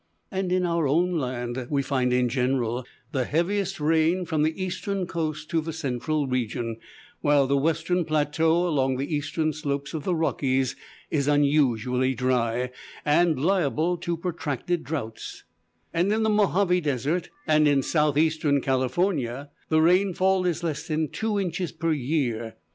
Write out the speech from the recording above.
And in our own land, we find in general the heaviest rain from the eastern coast to the central region: while the western plateau along the eastern slopes of the Rockies is unusually dry, and liable to protracted drouths: and in the Mojave desert, and in southeastern California, the rainfall is less than two inches per year.